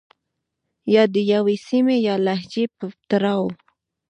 يا د يوې سيمې يا لهجې په تړاو